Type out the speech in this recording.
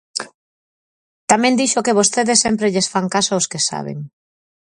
Tamén dixo que vostedes sempre lles fan caso aos que saben.